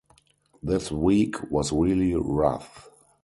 This week was really rough.